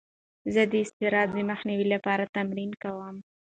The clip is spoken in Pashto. زه د اضطراب د مخنیوي لپاره تمرینونه کوم.